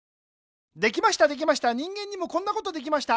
できましたできました人間にもこんなことできました。